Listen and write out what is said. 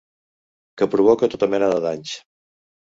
Que provoca tota mena de danys.